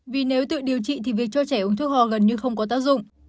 vì nếu tự điều trị thì việc cho trẻ uống thuốc họ gần như không có tác dụng